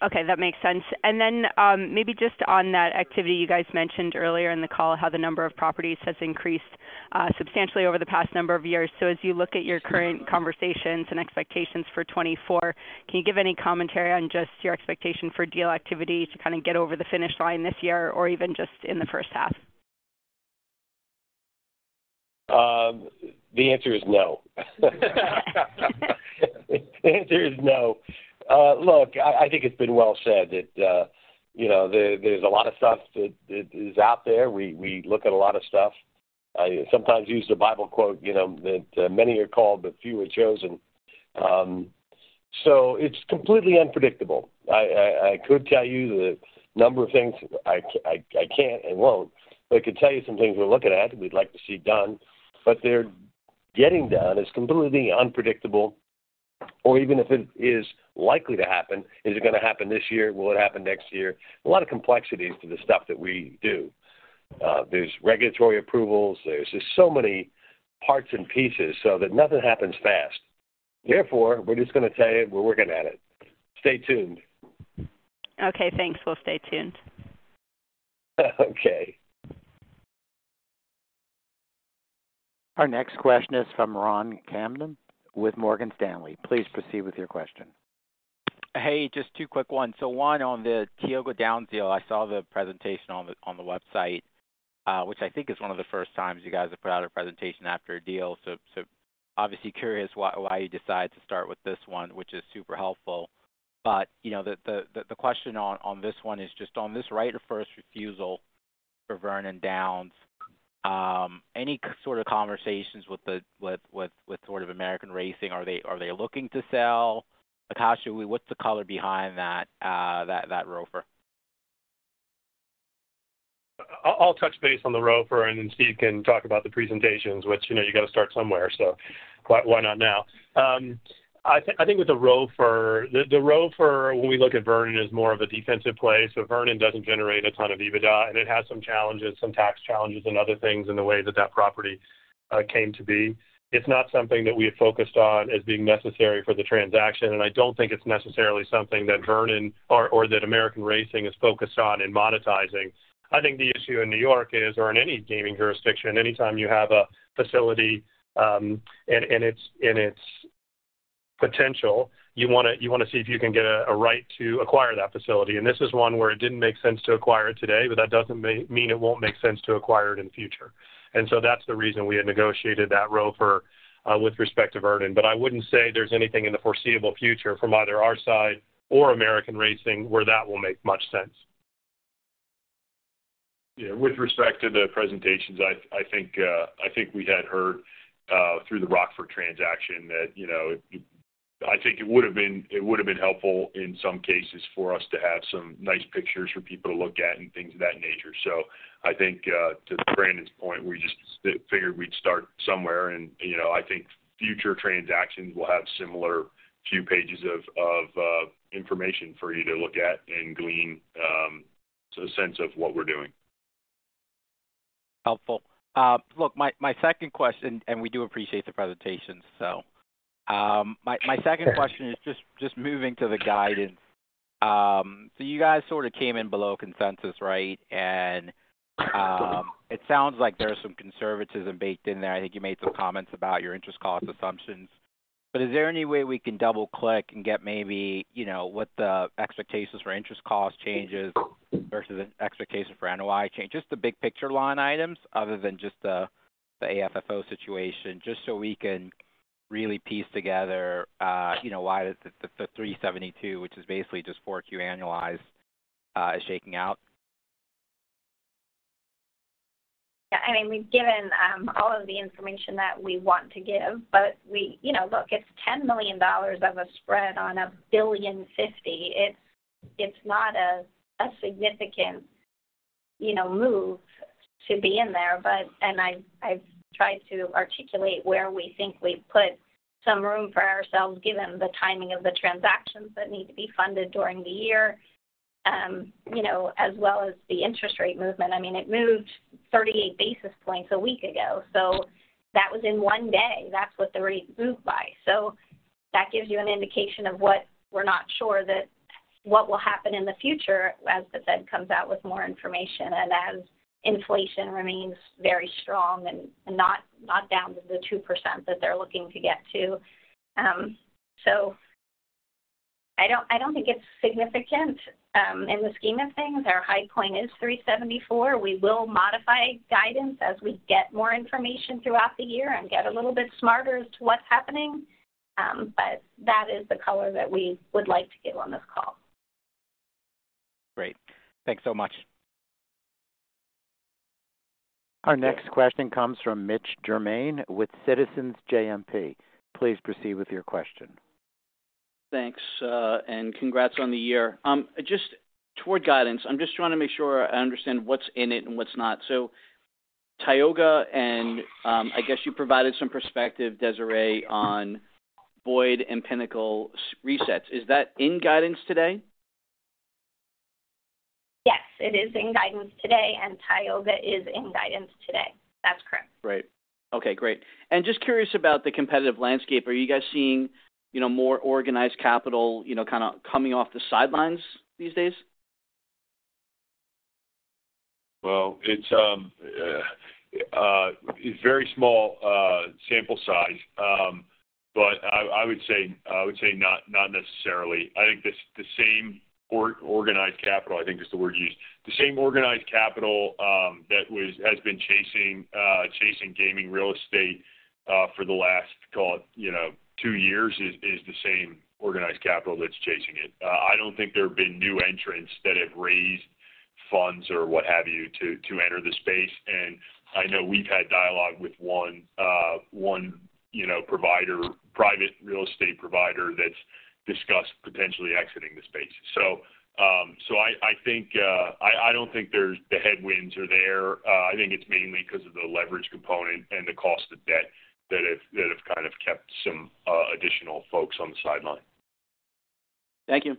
Okay, that makes sense. And then, maybe just on that activity you guys mentioned earlier in the call, how the number of properties has increased substantially over the past number of years. So as you look at your current conversations and expectations for 2024, can you give any commentary on just your expectation for deal activity to kinda get over the finish line this year or even just in the first half? The answer is no. The answer is no. Look, I think it's been well said that, you know, there's a lot of stuff that is out there. We look at a lot of stuff. I sometimes use the Bible quote, you know, that, "Many are called, but few are chosen." So it's completely unpredictable. I could tell you the number of things I can't and won't, but I could tell you some things we're looking at and we'd like to see done. But they're getting done is completely unpredictable. Or even if it is likely to happen, is it gonna happen this year? Will it happen next year? A lot of complexities to the stuff that we do. There's regulatory approvals. There's so many parts and pieces so that nothing happens fast. Therefore, we're just gonna tell you we're working at it. Stay tuned. Okay, thanks. We'll stay tuned. Okay. Our next question is from Ronald Camden with Morgan Stanley. Please proceed with your question. Hey, just two quick ones. So one on the Tioga Downs deal. I saw the presentation on the website, which I think is one of the first times you guys have put out a presentation after a deal. So obviously, curious why you decide to start with this one, which is super helpful. But, you know, the question on this one is just on this right of first refusal for Vernon Downs, any sort of conversations with American Racing? Are they looking to sell? A catch, what's the color behind that ROFR? I'll touch base on the ROFR, and then Steve can talk about the presentations, which, you know, you gotta start somewhere. So why, why not now? I think with the ROFR the, the ROFR, when we look at Vernon, is more of a defensive play. So Vernon doesn't generate a ton of EBITDA. And it has some challenges, some tax challenges and other things in the way that that property came to be. It's not something that we have focused on as being necessary for the transaction. And I don't think it's necessarily something that Vernon or, or that American Racing is focused on in monetizing. I think the issue in New York is or in any gaming jurisdiction, anytime you have a facility, and it's in its potential, you wanna see if you can get a right to acquire that facility. This is one where it didn't make sense to acquire it today, but that doesn't mean it won't make sense to acquire it in the future. So that's the reason we had negotiated that ROFR, with respect to Vernon. But I wouldn't say there's anything in the foreseeable future from either our side or American Racing where that will make much sense. Yeah, with respect to the presentations, I think we had heard, through the Rockford transaction that, you know, it would have been helpful in some cases for us to have some nice pictures for people to look at and things of that nature. So I think, to Brandon's point, we just figured we'd start somewhere. And, you know, I think future transactions will have similar few pages of information for you to look at and glean a sense of what we're doing. Helpful. Look, my second question and we do appreciate the presentations, so. My second question is just moving to the guidance. So you guys sort of came in below consensus, right? It sounds like there's some conservatism baked in there. I think you made some comments about your interest cost assumptions. But is there any way we can double-click and get maybe, you know, what the expectations for interest cost changes versus the expectations for annualized change? Just the big picture line items other than just the AFFO situation, just so we can really piece together, you know, why the 372, which is basically just 4Q annualized, is shaking out. Yeah, I mean, we've given all of the information that we want to give. But we, you know, look, it's $10 million of a spread on a $1.05 billion. It's not a significant, you know, move to be in there. But I've tried to articulate where we think we've put some room for ourselves given the timing of the transactions that need to be funded during the year, you know, as well as the interest rate movement. I mean, it moved 38 basis points a week ago. So that was in one day. That's what the rate moved by. So that gives you an indication of what we're not sure that what will happen in the future as the Fed comes out with more information and as inflation remains very strong and not down to the 2% that they're looking to get to. So, I don't think it's significant, in the scheme of things. Our high point is 374. We will modify guidance as we get more information throughout the year and get a little bit smarter as to what's happening. But that is the color that we would like to give on this call. Great. Thanks so much. Our next question comes from Mitch Germain with Citizens JMP. Please proceed with your question. Thanks. And congrats on the year. Just toward guidance, I'm just trying to make sure I understand what's in it and what's not. So Tioga and, I guess you provided some perspective, Desiree, on Boyd and Pinnacle's resets. Is that in guidance today? Yes, it is in guidance today. Tioga is in guidance today. That's correct. Great. Okay, great. And just curious about the competitive landscape. Are you guys seeing, you know, more organized capital, you know, kinda coming off the sidelines these days? Well, it's very small sample size. But I would say not necessarily. I think the same organized capital, I think that's the word used, the same organized capital that has been chasing gaming real estate for the last, call it, you know, two years is the same organized capital that's chasing it. I don't think there have been new entrants that have raised funds or what have you to enter the space. And I know we've had dialogue with one, you know, provider, private real estate provider that's discussed potentially exiting the space. So I think I don't think the headwinds are there. I think it's mainly 'cause of the leverage component and the cost of debt that have kind of kept some additional folks on the sideline. Thank you.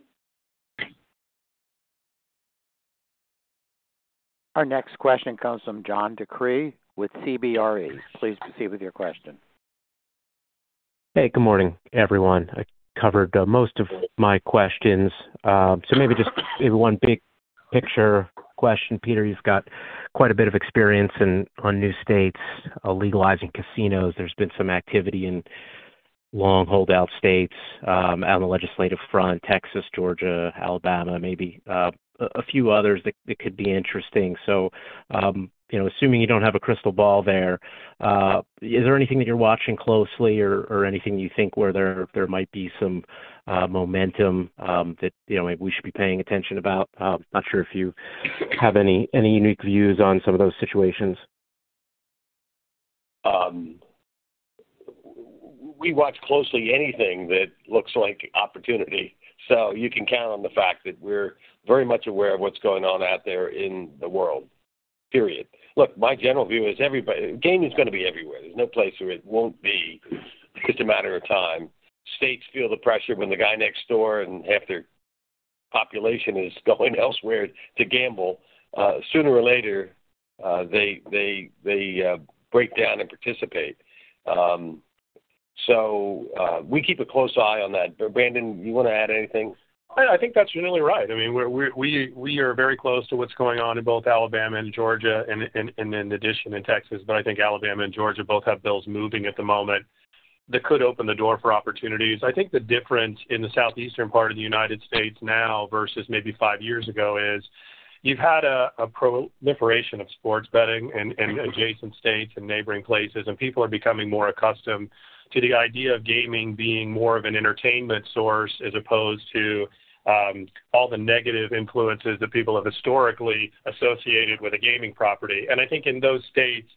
Our next question comes from John DeCree with CBRE. Please proceed with your question. Hey, good morning, everyone. I covered most of my questions, so maybe just one big picture question. Peter, you've got quite a bit of experience in on new states legalizing casinos. There's been some activity in long-hold-out states, on the legislative front, Texas, Georgia, Alabama, maybe a few others that could be interesting. So, you know, assuming you don't have a crystal ball there, is there anything that you're watching closely or anything that you think where there might be some momentum that, you know, maybe we should be paying attention about? Not sure if you have any unique views on some of those situations. We watch closely anything that looks like opportunity. So you can count on the fact that we're very much aware of what's going on out there in the world, period. Look, my general view is everybody gaming's gonna be everywhere. There's no place where it won't be. It's just a matter of time. States feel the pressure when the guy next door and half their population is going elsewhere to gamble; sooner or later, they break down and participate. So, we keep a close eye on that. Brandon, you wanna add anything? I think that's really right. I mean, we are very close to what's going on in both Alabama and Georgia and in addition in Texas. But I think Alabama and Georgia both have bills moving at the moment that could open the door for opportunities. I think the difference in the southeastern part of the United States now versus maybe five years ago is you've had a proliferation of sports betting in adjacent states and neighboring places. And people are becoming more accustomed to the idea of gaming being more of an entertainment source as opposed to all the negative influences that people have historically associated with a gaming property. And I think in those states,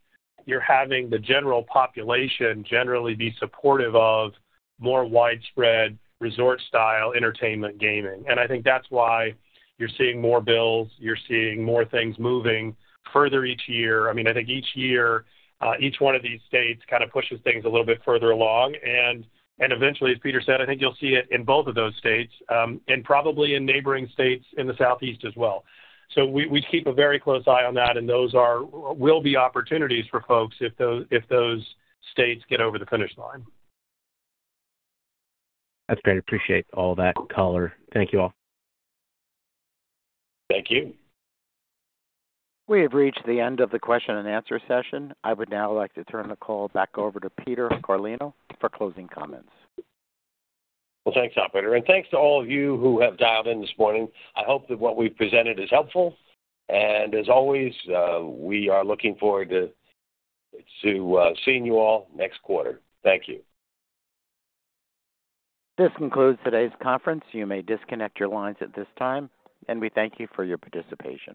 you're having the general population generally be supportive of more widespread resort-style entertainment gaming. And I think that's why you're seeing more bills. You're seeing more things moving further each year. I mean, I think each year, each one of these states kinda pushes things a little bit further along. And eventually, as Peter said, I think you'll see it in both of those states, and probably in neighboring states in the southeast as well. So we keep a very close eye on that. And those will be opportunities for folks if those states get over the finish line. That's great. Appreciate all that color. Thank you all. Thank you. We have reached the end of the question and answer session. I would now like to turn the call back over to Peter Carlino for closing comments. Well, thanks, operator. Thanks to all of you who have dialed in this morning. I hope that what we've presented is helpful. As always, we are looking forward to, to, seeing you all next quarter. Thank you. This concludes today's conference. You may disconnect your lines at this time. We thank you for your participation.